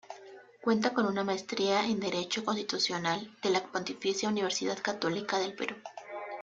Cuenta con una maestría en Derecho Constitucional de la Pontificia Universidad Católica del Perú.